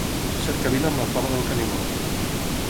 Cercavila amb la Flama del Canigó.